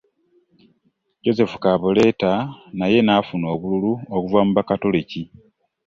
Joseph Kabuleta naye n'afuna obululu okuva mu bakatoliki